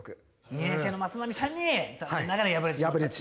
２年生の松波さんに残念ながら敗れてしまった。